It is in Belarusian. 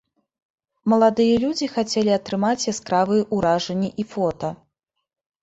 Маладыя людзі хацелі атрымаць яскравыя ўражанні і фота.